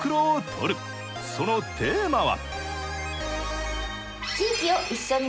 そのテーマは！